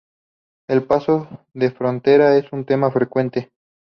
El paso de frontera es un tema frecuente.